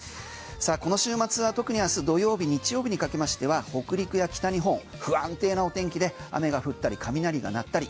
この週末は特にあす土曜日、日曜日にかけましては北陸や北日本不安定なお天気で雨が降ったり雷が鳴ったり。